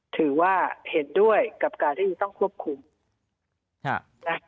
ถือว่าเห็นด้วยกับการที่จะต้องควบคุม